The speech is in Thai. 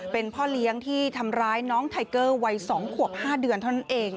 เป็นพ่อเลี้ยงที่ทำร้ายน้องไทเกอร์วัย๒ขวบ๕เดือนเท่านั้นเอง